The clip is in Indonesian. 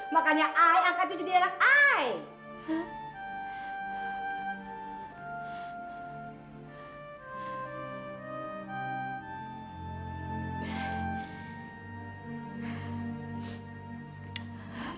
makanya ayah angkat kamu menjadi anak ayah